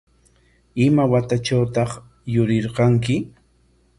¿Ima watatrawtaq yurirqanki?